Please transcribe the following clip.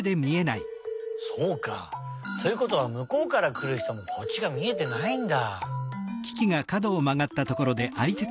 そうか。ということはむこうからくるひともこっちがみえてないんだ。